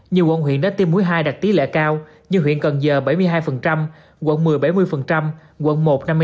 nhiều quận huyện đã tiêm mũi hai đạt tỷ lệ cao như huyện cần giờ bảy mươi hai quận một mươi bảy mươi quận một năm mươi sáu